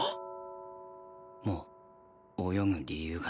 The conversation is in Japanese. もう泳ぐ理由がない。